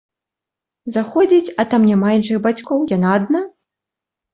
Заходзіць, а там няма іншых бацькоў, яна адна!